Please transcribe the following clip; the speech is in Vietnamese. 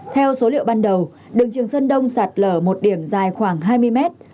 theo số liệu ban đầu đường trường sơn đông sạt lở một điểm dài khoảng hai mươi mét